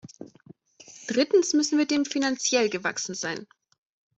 Drittens müssen wir dem finanziell gewachsen sein.